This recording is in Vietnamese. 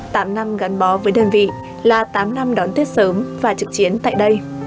tạm năm gắn bó với đơn vị là tám năm đón tết sớm và trực chiến tại đây